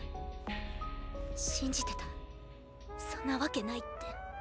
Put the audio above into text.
信じてたそんなわけないって。